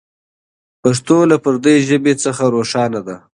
پښتو له پردۍ ژبې څخه روښانه ده.